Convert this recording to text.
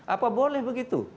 apa boleh begitu